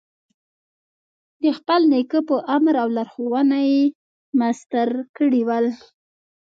د خپل نیکه په امر او لارښوونه مسطر کړي ول.